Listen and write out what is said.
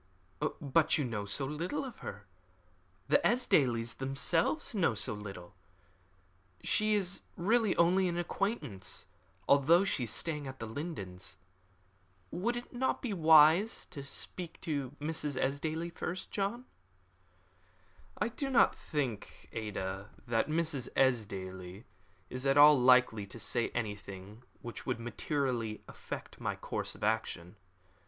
"But you know so little of her. The Esdailes themselves know so little. She is really only an acquaintance, although she is staying at The Lindens. Would it not be wise to speak to Mrs. Esdaile first, John?" "I do not think, Ada, that Mrs. Esdaile is at all likely to say anything which would materially affect my course of action.